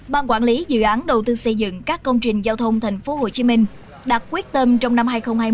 ban quản lý dự án đầu tư xây dựng các công trình giao thông tp hcm đặt quyết tâm trong năm hai nghìn hai mươi